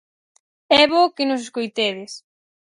É bo que nos escoitedes.